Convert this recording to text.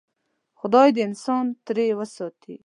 خدای دې انسان ترې وساتي.